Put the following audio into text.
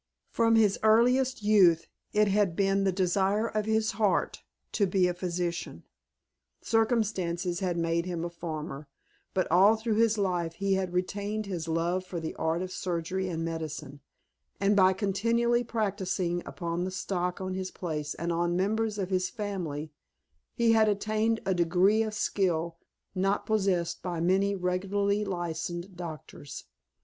From his earliest youth it had been the desire of his heart to be a physician. Circumstances had made him a farmer, but all through his life he had retained his love for the art of surgery and medicine, and by continually practising upon the stock on his place and on members of his family he had attained a degree of skill not possessed by many regularly licensed doctors.